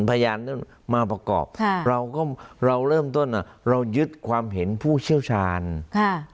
พยานนั้นมาประกอบค่ะเราก็เราเริ่มต้นอ่ะเรายึดความเห็นผู้เชี่ยวชาญค่ะ